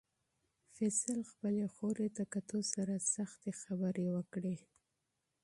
فیصل خپلې خور ته په کتو سره سختې خبرې وکړې.